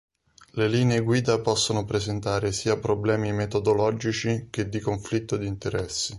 Le linee guida possono presentare sia problemi metodologici che di conflitto di interessi.